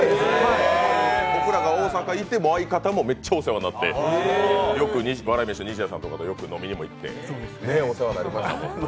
僕らが大阪いて相方もめっちゃお世話になって、よく笑い飯・西田さんともよく行って、お世話になりました。